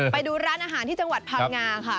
ไปดูร้านอาหารที่จังหวัดพังงาค่ะ